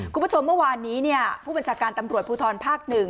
คุณผู้ชมเมื่อวานนี้ผู้บัญชาการตำรวจภูทรภาค๑